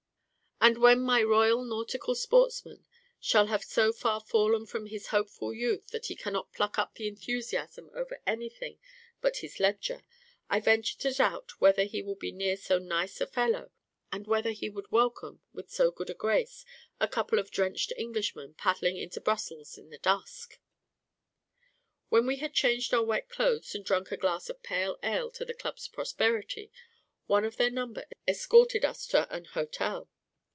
And when my Royal Nautical Sportsman shall have so far fallen from his hopeful youth that he cannot pluck up an enthusiasm over anything but his ledger, I venture to doubt whether he will be near so nice a fellow, and whether he would welcome, with so good a grace, a couple of drenched Englishmen paddling into Brussels in the dusk. When we had changed our wet clothes and drunk a glass of pale ale to the Club's prosperity, one of their number escorted us to an hotel.